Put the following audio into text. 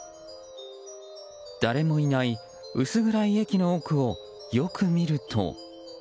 誰もいない薄暗い駅の奥をよく見ると。